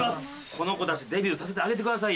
この子たちデビューさせてあげてくださいよ。